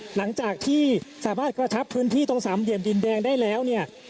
หลังจากที่สามารถกระชับพื้นที่ตรงสามเหลี่ยมดินแดงได้แล้วเนี่ย